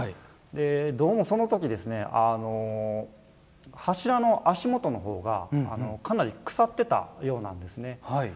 どうもその時柱の足元のほうがかなり腐っていたようなんですね。